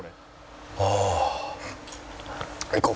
ああ。